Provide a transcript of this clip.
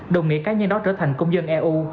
đồng nghĩa cá nhân đó trở thành công dân eu